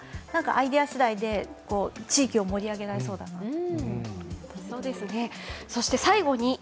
アイデアしだいで地域を盛り上げられそうだなって。